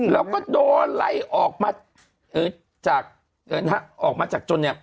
แล้วก็โดนไล่ออกมาจน